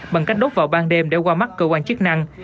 bằng cách đốt vào ban đêm để qua mắt cơ quan chức năng